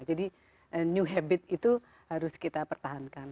jadi new habit itu harus kita pertahankan